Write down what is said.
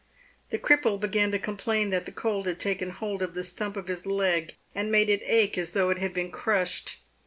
The cripple began to complain that the cold had taken hold of the stump of his leg and made it ache as though it had been crushed.